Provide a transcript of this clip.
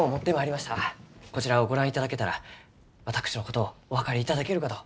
こちらをご覧いただけたら私のことをお分かりいただけるかと。